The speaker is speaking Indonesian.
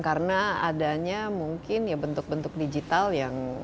karena adanya mungkin bentuk bentuk digital yang